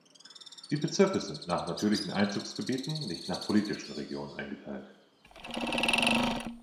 Die Bezirke sind nach natürlichen Einzugsgebieten, nicht nach politischen Regionen eingeteilt.